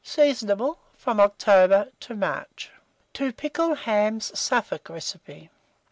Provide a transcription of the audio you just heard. Seasonable from October to March. TO PICKLE HAMS (Suffolk Recipe). 819.